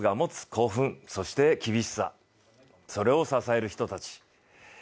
興奮そして、厳しさそれを支える人たち。